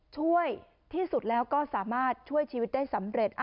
ช่วยที่สุดแล้วก็สามารถช่วยชีวิตได้สำเร็จ